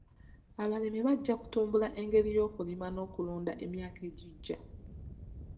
Abalimi bajja kutumbula engeri y'okulima n'okulunda mu myaka egijja.